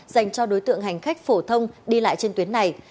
dành cho đối tượng hành khách phổ thông đi lại trên tuyến này